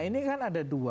ini kan ada dua